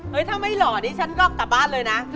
เฮ้ยถ้าไม่หล่อนี่ฉันก็ออกกลับบ้านเลยนะ